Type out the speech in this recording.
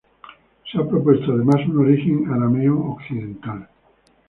Se ha propuesto, además, un origen arameo occidental.